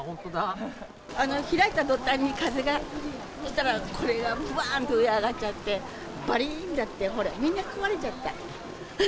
開いたとたんに風が来たら、これがばーんと上上がっちゃって、ばりーんだって、ほら、みんな壊れちゃった。